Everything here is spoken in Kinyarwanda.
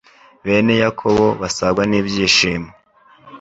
bene Yakobo basagwa n’ibyishimo